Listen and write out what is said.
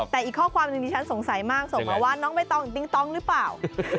แต่อีกข้อความหนึ่งที่ฉันสงสัยมากส่งมาว่าน้องใบตองติ๊งต้องหรือเปล่า